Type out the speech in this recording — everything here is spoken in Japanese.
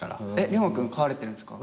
涼真君飼われてるんですか？